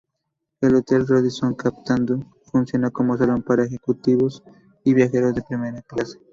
El Hotel Radisson Katmandú funciona como salón para ejecutivos y viajeros de primera clase.